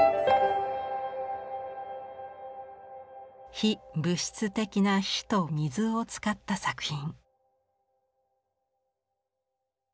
非物質的な火と水を使った作品。